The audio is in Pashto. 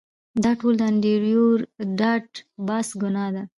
دا ټول د انډریو ډاټ باس ګناه ده